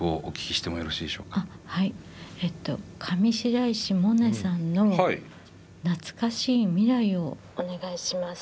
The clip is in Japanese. えっと上白石萌音さんの「懐かしい未来」をお願いします。